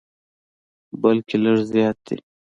بلکې لږ زیات دي.